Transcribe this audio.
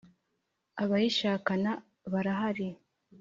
Abayishakana barahari.